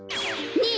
ねえ